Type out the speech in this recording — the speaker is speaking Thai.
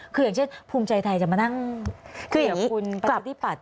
คืออย่างเช่นภูมิใจไทยจะมานั่งคุยกับคุณประชาธิปัตย